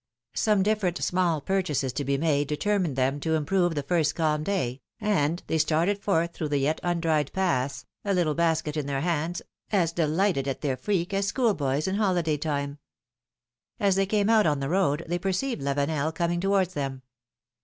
Some different small purchases to be made PHILOMi:NE's MAREIAGES. 95 determined them to improve the first calm day, and they started forth through the yet undried paths, a little basket in their hands, as delighted at their freak as schoolboys in holiday time. As they came out on the road, they perceived Lavenel coming towards them.